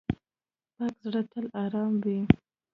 پاک زړه تل آرام وي.